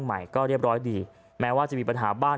ใหม่ก็เรียบร้อยดีแม้ว่าจะมีปัญหาบ้าน